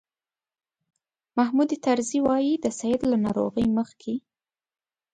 محمود طرزي وایي د سید له ناروغۍ مخکې.